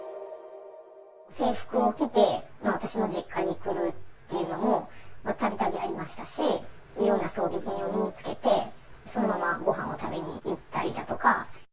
制服を着て、私の実家に来るっていうのも、たびたびありましたし、いろんな装備品を身につけて、そのままごはんを食べに行ったりだとか。